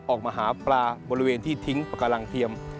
ออกมาหาปลาบริเวณที่ทิ้งปากการังเทียม